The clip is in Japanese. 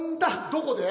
どこで？